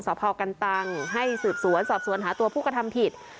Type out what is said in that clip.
สพกันตังให้สืบสวนสอบสวนหาตัวผู้กระทำผิด